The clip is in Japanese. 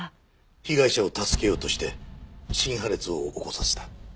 被害者を助けようとして心破裂を起こさせた。